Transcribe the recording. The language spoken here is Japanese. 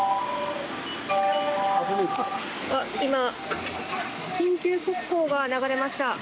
今、緊急速報が流れました。